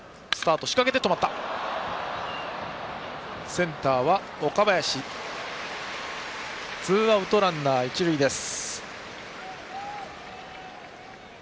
センターの岡林がとってツーアウトランナー、一塁です。